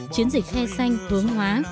chiến dịch he xanh thướng hóa